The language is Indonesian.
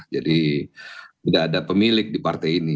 jadi tidak ada pemilik di partai ini